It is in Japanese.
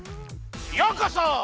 ようこそ！